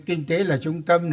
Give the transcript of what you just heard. kinh tế là trung tâm